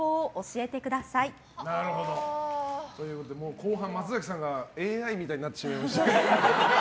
後半、松崎さんがＡＩみたいになってしまいましたけど。